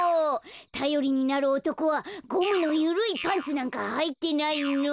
たよりになるおとこはゴムのゆるいパンツなんかはいてないの。